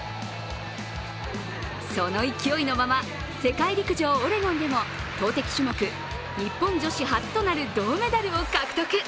その勢いのまま世界陸上オレゴンでも投てき種目、日本女子初となる銅メダルを獲得。